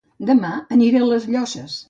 Dema aniré a Les Llosses